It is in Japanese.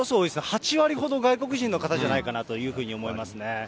８割ほど外国人の方じゃないかなというふうに思いますね。